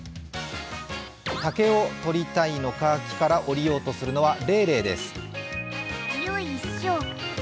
竹を取りたいのか木から下りようとするのはレイレイです。